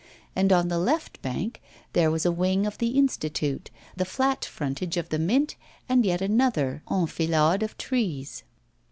And on the left bank there was a wing of the Institute, the flat frontage of the Mint, and yet another enfilade of trees.